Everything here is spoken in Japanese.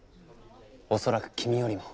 恐らく君よりも。